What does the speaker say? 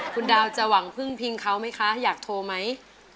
คุณดาวจะหวังพึ่งพิงเขาไหมคะอยากโทรไหม